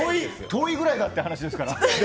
遠いぐらいだって話ですから。